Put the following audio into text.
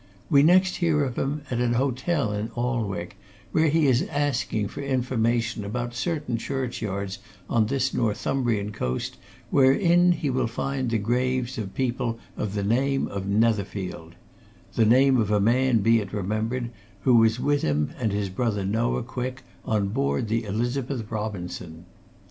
We next hear of him at an hotel in Alnwick, where he is asking for information about certain churchyards on this Northumbrian coast wherein he will find the graves of people of the name of Netherfield the name of a man, be it remembered, who was with him and his brother Noah Quick, on board the Elizabeth Robinson.